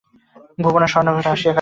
ভুবন আর স্বর্ণ ঘাটে আসিয়া কাঁদিত।